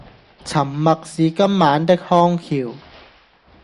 沉默是今晚的康橋